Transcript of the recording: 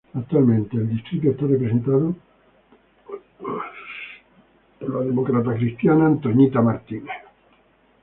Actualmente el distrito está representado por la Republicana Ann Wagner.